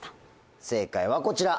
正解はこちら。